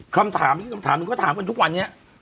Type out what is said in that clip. คำถามนึงก็ถามกันทุกวันนี้